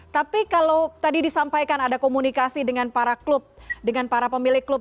tapi kalau tadi disampaikan ada komunikasi dengan para klub dengan para pemilik klub